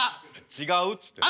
違うっつってんの。